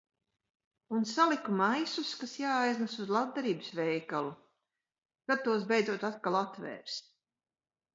Un saliku maisus kas jāaiznes uz labdarības veikalu. Kad tos beidzot atkal atvērs.